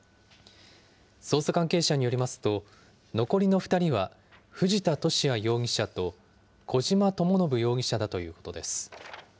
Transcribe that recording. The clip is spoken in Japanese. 捜査関係者によりますと、残りの２人は、藤田聖也容疑者と小島智信容疑者だということです。